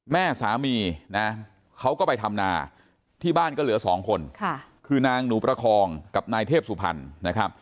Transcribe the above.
แม่สามีนะเขาก็ไปทำนาที่บ้านก็เหลือสองคนคือนางหนูประคองกับนายเทพสุพรรณนะครับ